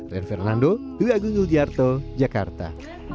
rian fernando dwi agung yuldiarto jakarta